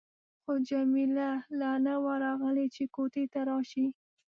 خو جميله لا نه وه راغلې چې کوټې ته راشي.